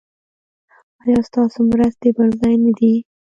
ایا ستاسو مرستې پر ځای نه دي؟